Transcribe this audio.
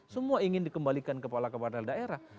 semua ingin dikembalikan kepala kepala daerah